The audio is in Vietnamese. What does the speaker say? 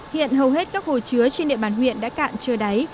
hiện hầu hết các hồ chứa trên địa bàn huyện đã cạn chưa đáy